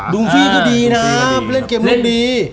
ดุมฟรี่ก็ดีนะได้เล่นเกมที่ดี